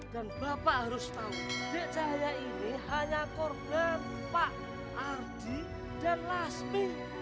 dan bapak harus tahu dek cahaya ini hanya korban pak ardi dan lasmi